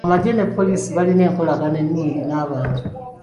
Amagye ne poliisi balina enkolagana ennungi n'abantu.